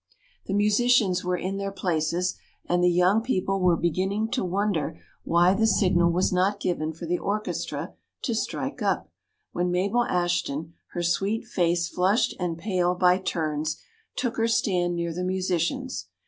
The musicians were in their places, and the young people were beginning to wonder why the signal was not given for the orchestra to strike up, when Mabel Ashton, her sweet face flushed and pale by turns, took her stand near the musicians.